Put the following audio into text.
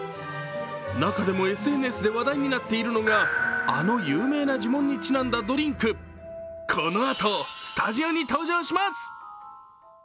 中でもＳＮＳで話題になっているのがあの有名な呪文にちなんだドリンク、このあと、スタジオに登場します。